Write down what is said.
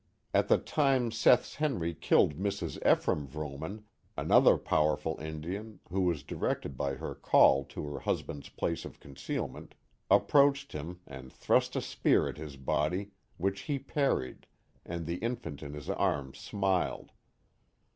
At the time Seth's Henry killed Mrs. Ephraim Vrooman, another powerful Indian, who was directed by her call to her husband's place of concealment, approached him and thrust a spear at his body, which he parried, and the infant in his arms smiled.